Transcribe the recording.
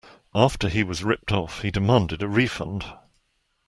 After he was ripped off, he demanded a refund.